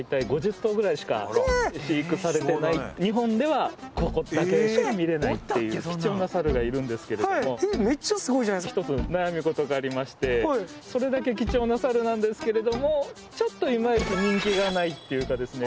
はいええっでしか見れないっていう貴重なサルがいるんですけれどもめっちゃすごいじゃないですか一つ悩み事がありましてそれだけ貴重なサルなんですけれどもちょっとイマイチ人気がないっていうかですね